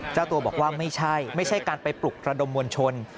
เจ้าตัวบอกว่าไม่ใช่ไม่ใช่การไปปลุกระดมมวลชน